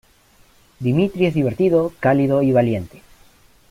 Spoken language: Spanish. Dimitri es divertido, cálido y valiente.